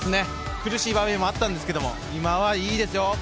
苦しい場面もあったんですけど、今はいいですよ。